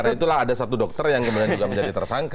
karena itulah ada satu dokter yang kemudian juga menjadi tersangka